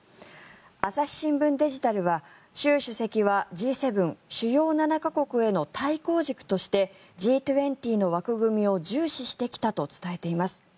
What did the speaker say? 朝日新聞デジタルは習主席はＧ７・主要７か国への対抗軸としてＧ２０の枠組みを重視してきたと伝えています。